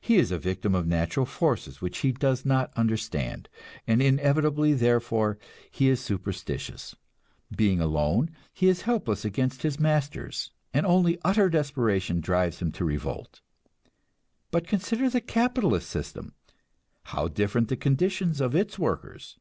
He is a victim of natural forces which he does not understand, and inevitably therefore he is superstitious. Being alone, he is helpless against his masters, and only utter desperation drives him to revolt. But consider the capitalist system how different the conditions of its workers!